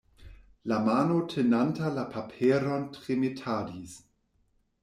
La mano tenanta la paperon tremetadis.